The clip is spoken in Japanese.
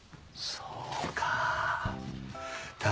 そうかぁ。